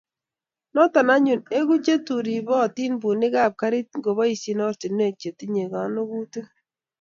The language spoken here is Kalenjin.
Noto anyun eku che ribotin bunikap garit ngoboisie ortinwek che tinyei konogutik